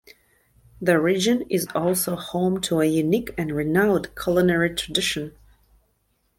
The region is also home to a unique and renowned culinary tradition.